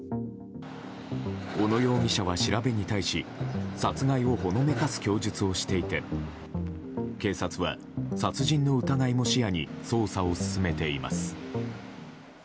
小野容疑者は調べに対し殺害をほのめかす供述をしていて警察は殺人の疑いも視野に捜査を進めています。